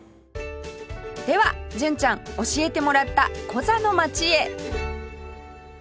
では純ちゃん教えてもらったコザの街へ